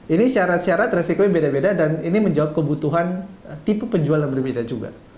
ini syarat syarat resikonya beda beda dan ini menjawab kebutuhan tipe penjualan berbeda juga